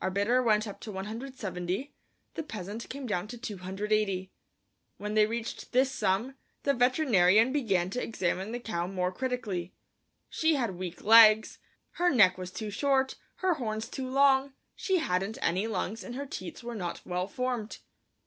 Our bidder went up to 170, the peasant came down to 280. When they reached this sum, the veterinarian began to examine the cow more critically. She had weak legs, her neck was too short, her horns too long, she hadn't any lungs and her teats were not well formed.